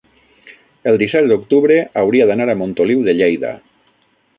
el disset d'octubre hauria d'anar a Montoliu de Lleida.